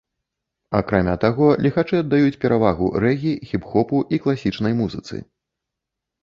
Акрамя таго, ліхачы аддаюць перавагу рэгі, хіп-хопу і класічнай музыцы.